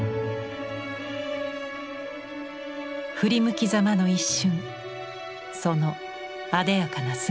振り向きざまの一瞬その艶やかな姿。